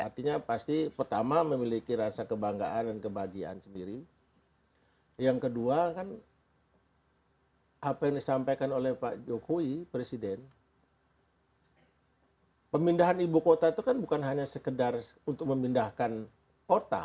artinya pasti pertama memiliki rasa kebanggaan dan kebahagiaan sendiri yang kedua kan apa yang disampaikan oleh pak jokowi presiden pemindahan ibu kota itu kan bukan hanya sekedar untuk memindahkan kota